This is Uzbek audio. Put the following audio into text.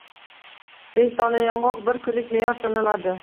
Besh dona yong‘oq – bir kunlik me’yor sanaladi.